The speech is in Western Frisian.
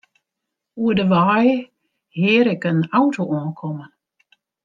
Oer de wei hear ik in auto oankommen.